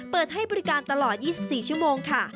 เปิดให้บริการตลอด๒๔ชั่วโมงค่ะ